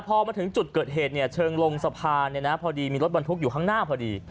พอมาถึงจุดเกิดเหตุเนี่ยเชิงลงสะพานพอดีมีรถบรรทุกอยู่ข้างหน้าพอดี